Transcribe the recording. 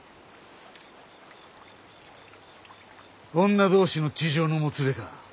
女同士の痴情のもつれか。